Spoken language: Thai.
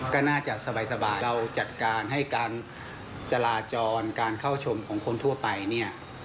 ก็น่าจะสบายเราจัดการให้การจราจรการเข้าชมของคนทั่วไปเนี่ย